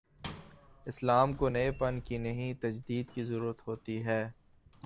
اسلام کو نئے پن کی نہیں، تجدید کی ضرورت ہو تی ہے۔